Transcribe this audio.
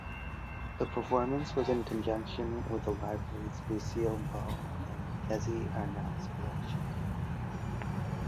The performance was in conjunction with the Library's Lucille Ball and Desi Arnaz Collection.